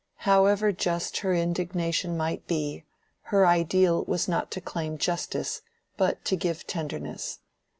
However just her indignation might be, her ideal was not to claim justice, but to give tenderness.